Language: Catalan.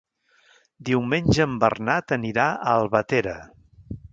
Diumenge en Bernat anirà a Albatera.